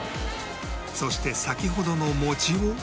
そして先ほどの餅を